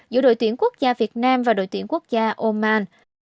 giữa đội tuyển quốc gia việt nam và đội tuyển quốc gia oman